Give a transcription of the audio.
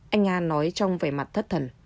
anh nga nói trong vẻ mặt thất thần